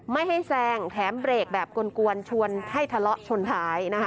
ไม่ให้แซงแถมเบรกแบบกลวนชวนให้ทะเลาะชนท้ายนะคะ